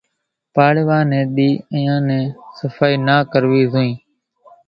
ان پاڙوا ني ۮي اينيان نين صڦائي نا ڪروي زوئي،